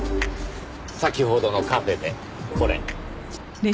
先ほどのカフェでこれ。